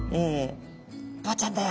「ボウちゃんだよ」